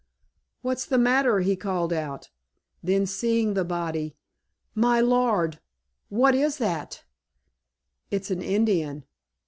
"What's the matter?" he called out. Then seeing the body, "My Lord, what is that?" "It's an Indian."